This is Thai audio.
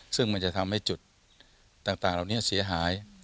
ซึ่งมันจะทำให้จุดต่างเหล่านี้เสียหาย